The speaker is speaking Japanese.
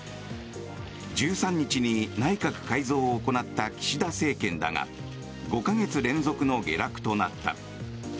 １３日に内閣改造を行った岸田政権だが５か月連続の下落となった。